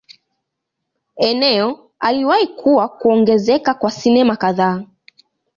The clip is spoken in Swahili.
Eneo aliwahi kuwa kuongezeka kwa sinema kadhaa.